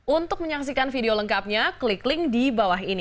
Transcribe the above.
untuk menyaksikan video lengkapnya klik link di bawah ini